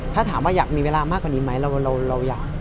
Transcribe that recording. ถ้าถามว่าอยากมีเวลามากกว่านี้ไหมเราอยาก